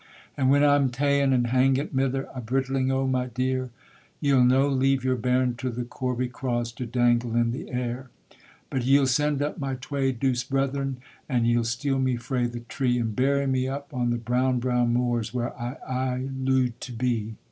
And when I'm taen and hangit, mither, a brittling o' my deer, Ye'll no leave your bairn to the corbie craws, to dangle in the air; But ye'll send up my twa douce brethren, and ye'll steal me frae the tree, And bury me up on the brown brown muirs, where I aye looed to be.